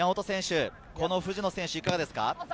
この藤野選手いかがですか？